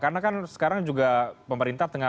karena kan sekarang juga pemerintah